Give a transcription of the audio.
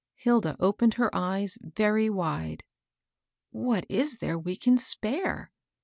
Hilda opened her eyes very wide. " What is there we can spare